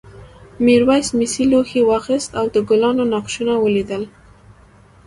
میرويس مسي لوښی واخیست او د ګلانو نقشونه ولیدل.